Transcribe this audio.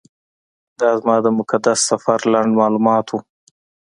دا زما د مقدس سفر لنډ معلومات و.